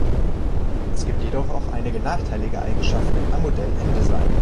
Es gibt jedoch auch einige nachteilige Eigenschaften am Model-M-Design.